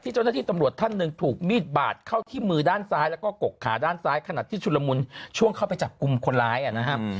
เจ้าหน้าที่ตำรวจท่านหนึ่งถูกมีดบาดเข้าที่มือด้านซ้ายแล้วก็กกขาด้านซ้ายขนาดที่ชุดละมุนช่วงเข้าไปจับกลุ่มคนร้ายนะครับ